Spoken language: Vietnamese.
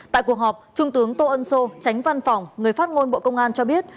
tại cuộc họp trung tướng tô ân sô tránh văn phòng người phát ngôn bộ công an cho biết